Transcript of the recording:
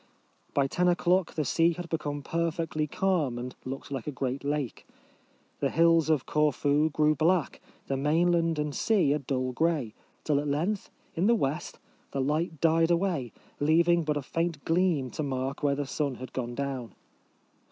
By ten o'clock the sea had become perfectly calm, and looked like a great lake. The hills of Corfu grew black, the main land and sea a dull grey, till at length, in the west, the light died away, leaving but a faint gleam to mark where the sun had gone down.